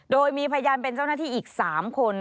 โดยมีพยานเป็นเจ้าหน้าที่อีก๓คน